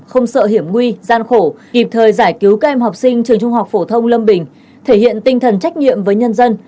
không sợ hiểm nguy gian khổ kịp thời giải cứu các em học sinh trường trung học phổ thông lâm bình thể hiện tinh thần trách nhiệm với nhân dân